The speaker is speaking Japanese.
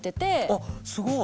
あすごい！